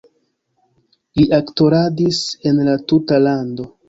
Li aktoradis en la tuta lando.